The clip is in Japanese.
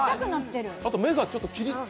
あと、目がちょっとキリッと。